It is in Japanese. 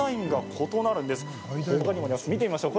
他にもあります、見てみましょう。